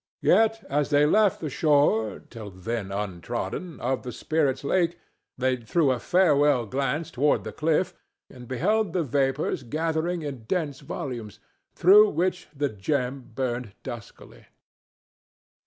Yet as they left the shore, till then untrodden, of the spirit's lake, they threw a farewell glance toward the cliff and beheld the vapors gathering in dense volumes, through which the gem burned duskily.